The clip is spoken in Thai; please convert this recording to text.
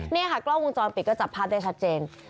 นี่ค่ะกล้องวงจรปิดก็จับภาพได้ชัดเจน